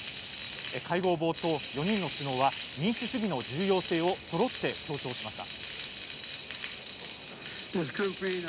会合冒頭、４人の首脳は、民主主義の重要性をそろって強調しました。